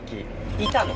いたの。